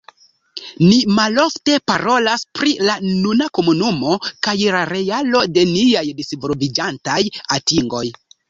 Ni malofte parolas pri la nuna komunumo kaj la realo de niaj disvolviĝantaj atingoj.